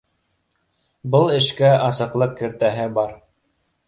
Был эшкә асыҡлыҡ кертәһе бар